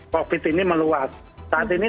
covid ini meluas saat ini